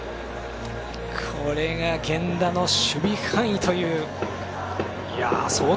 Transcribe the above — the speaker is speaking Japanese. これが源田の守備範囲という。